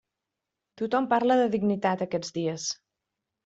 Tothom parla de dignitat, aquests dies.